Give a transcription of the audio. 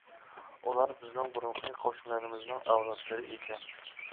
ئۇلار بىزنىڭ بۇرۇنقى قوشنىلىرىمىزنىڭ ئەۋلادلىرى ئىكەن.